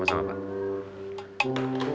masih udah datang kira kira ya